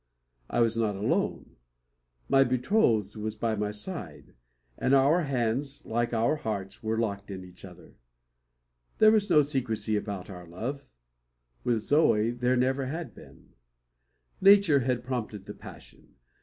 I was not alone. My betrothed was by my side; and our hands, like our hearts, were locked in each other. There was no secrecy about our love; with Zoe there never had been. Nature had prompted the passion.